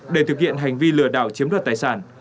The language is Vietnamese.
để thực hiện hành vi lừa đảo chiếm đoạt tài sản